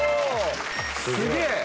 すげえ！